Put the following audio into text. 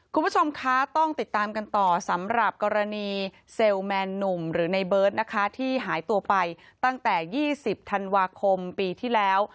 คุณผู้ชมคะต้องติดตามกันต่อสำหรับกรณีเซลล์แมนหนุ่มหรือในเบิร์ตนะคะที่หายตัวไปตั้งแต่๒๐ธันวาคมปีที่แล้ว